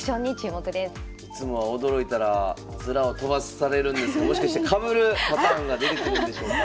いつもは驚いたらヅラを飛ばされるんですけどもしかしてかぶるパターンが出てくるんでしょうか？